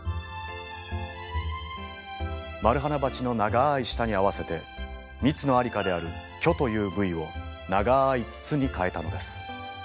マルハナバチの長い舌に合わせて蜜のありかである距という部位を長い筒に変えたのです。